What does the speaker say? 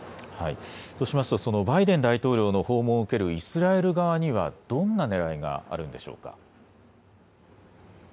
そのバイデン大統領の訪問を受けるイスラエル側にはどんなねらいがあるんでしょうか。